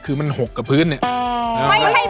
คือมันหกกับพื้นเนี่ย